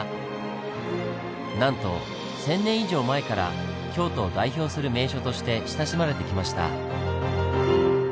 なんと１，０００年以上前から京都を代表する名所として親しまれてきました。